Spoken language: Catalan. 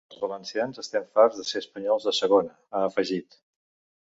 Els valencians estem farts de ser espanyols de segona, ha afegit.